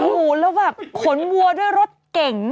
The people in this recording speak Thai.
โอ้โหแล้วแบบขนวัวด้วยรถเก่ง